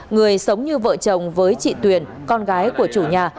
người sống như vợ chồng với chị tuyền con gái của chủ nhà